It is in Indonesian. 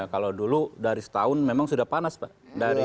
kalau dulu dari setahun memang sudah panas pak